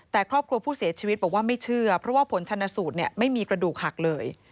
แต่ครอบครัวผู้เสียชีวิตบอกว่าไม่เชื่อเพราะว่าผลชนสูตรไม่มีกระดูกหักเลย